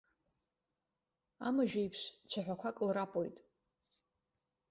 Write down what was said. Амажәеиԥш, цәаҳәақәак лрапоит.